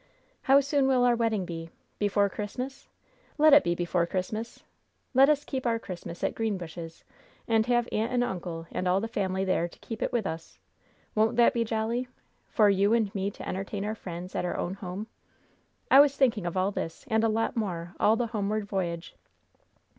How soon will our wedding be? Before Christmas? Let it be before Christmas. Let us keep our Christmas at Greenbushes, and have uncle and aunt and all the family there to keep it with us. Won't that be jolly? For you and me to entertain our friends at our own home! I was thinking of all this, and a lot more, all the homeward voyage.